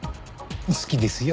好きですよ。